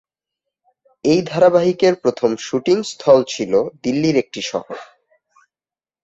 এই ধারাবাহিকের প্রথম শ্যুটিং স্থল ছিল দিল্লির একটি শহর।